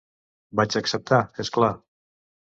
Vaig acceptar, és clar.